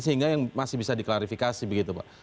sehingga yang masih bisa diklarifikasi begitu pak